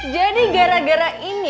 jadi gara gara ini